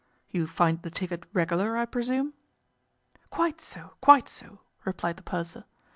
You find the ticket regular, I presume?" "Quite so—quite so," replied the purser.